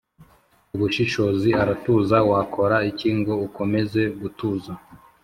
Ubushishozi aratuza wakora iki ngo ukomeze gutuza